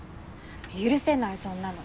許せないそんなの。